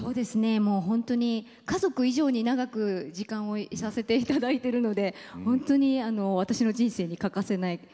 もう本当に家族以上に長く時間をいさせていただいてるので本当に私の人生に欠かせないねっ存在ですね。